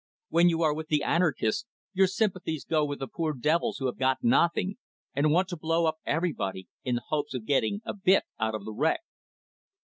When you are with the anarchist, your sympathies go with the poor devils who have got nothing, and want to blow up everybody, in the hopes of getting a bit out of the wreck."